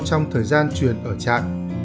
trong thời gian truyền ở trại